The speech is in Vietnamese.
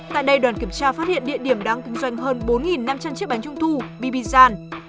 tại đây đoàn kiểm tra phát hiện địa điểm đang kinh doanh hơn bốn năm trăm linh chiếc bánh trung thu bibizan